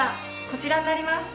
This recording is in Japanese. こちらになります。